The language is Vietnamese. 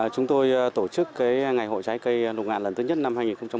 chúng tôi tổ chức ngày hội trái cây lục ngạn lần thứ nhất năm hai nghìn một mươi sáu